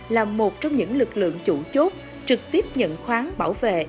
là một trong những lực lượng chủ chốt trực tiếp nhận khoán bảo vệ